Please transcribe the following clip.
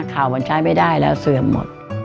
ข่าวมันใช้ไม่ได้แล้วเสื่อมหมด